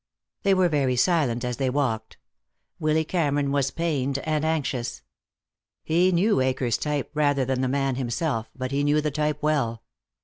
They were very silent as they walked. Willy Cameron was pained and anxious. He knew Akers' type rather than the man himself, but he knew the type well.